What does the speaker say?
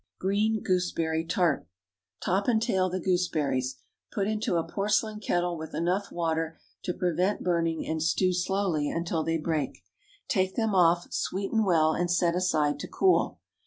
GREEN GOOSEBERRY TART. ✠ Top and tail the gooseberries. Put into a porcelain kettle with enough water to prevent burning, and stew slowly until they break. Take them off, sweeten well, and set aside to cool.